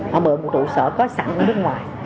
họ mượn một trụ sở có sẵn ở nước ngoài